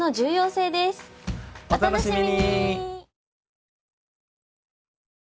お楽しみに！